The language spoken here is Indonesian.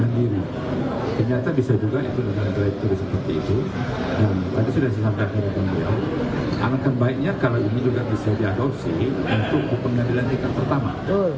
angka baiknya kalau ini juga bisa diadopsi untuk pengadilan tingkat pertama